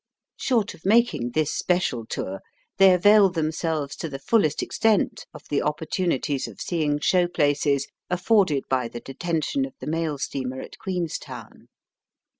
Short of making this special tour, they avail themselves to the fullest extent of the oppor tunities of seeing show places afforded by the detention of the mail steamer at Queenstown.